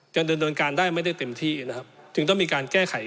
ดำเนินการได้ไม่ได้เต็มที่นะครับจึงต้องมีการแก้ไข